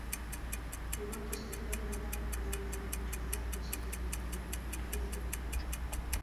Pibot estatubatuarra jokalari garrantzitsua da bisitarien barneko jokoari dagokionez.